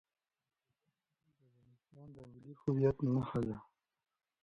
د کابل سیند د افغانستان د ملي هویت نښه ده.